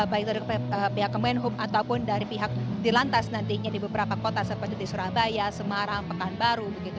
baik dari pihak kemenhub ataupun dari pihak di lantas nantinya di beberapa kota seperti di surabaya semarang pekanbaru begitu